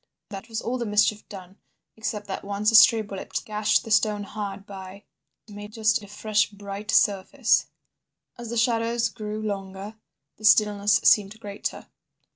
That was all the mischief done, except that once a stray bullet gashed the stone hard by—made just a fresh bright surface. "As the shadows grew longer, the stillness seemed greater.